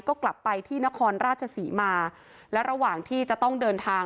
ก็กลับไปที่นครราชศรีมาและระหว่างที่จะต้องเดินทาง